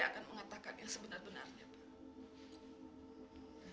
saya akan mengatakan yang sebenar benarnya pak